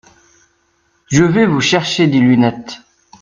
Je vais vous chercher des lunettes.